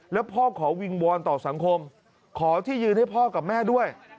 แล้วพ่อขอวิงวอนต่อสังคมขอที่ยืนให้พ่อกับแม่ด้วย